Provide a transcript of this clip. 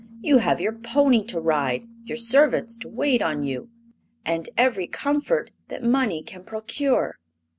You have your pony to ride, your servants to wait on you, and every comfort that money can procure."